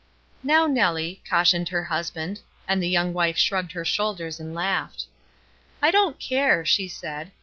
"Now, Nellie," cautioned her husband, and the young wife shrugged her shoulders and laughed. "I don't care," she said.